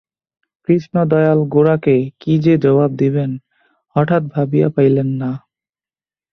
কৃষ্ণদয়াল গোরাকে কী যে জবাব দিবেন হঠাৎ ভাবিয়া পাইলেন না।